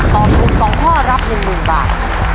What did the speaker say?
ตอบถูก๒ข้อรับ๑๐๐๐บาท